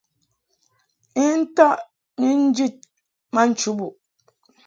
I ntɔʼ ni njid ma nchubuʼ.